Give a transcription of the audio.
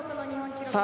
さあ